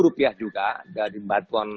rupiah juga dari bantuan